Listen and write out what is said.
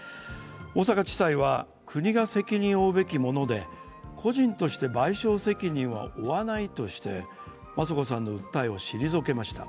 大阪地裁は国が責任を負うべきもので個人として賠償責任は負わないとして雅子さんの訴えを退けました。